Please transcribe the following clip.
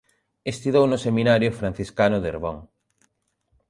Estudou no Seminario Franciscano de Herbón.